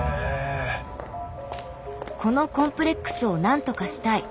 このコンプレックスを何とかしたい。